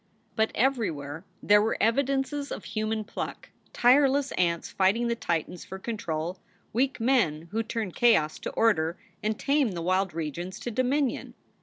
But everywhere there were evidences of human pluck; tireless ants fighting the Titans for control; weak men who turn chaos to order and tame the wild regions to dominion.